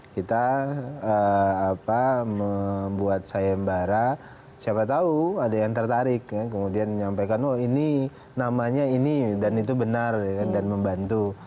kita membuat sayembara siapa tahu ada yang tertarik kemudian menyampaikan oh ini namanya ini dan itu benar dan membantu